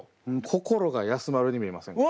「心が休まる」に見えませんか？